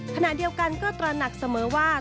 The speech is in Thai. ขณะเดียวกันก็ตระหนักเสมอว่า